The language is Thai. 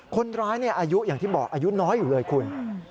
คนร้ายอายุอย่างที่บอกอายุน้อยอยู่เลยคุณ